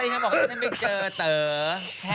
อ้าวคุณแม่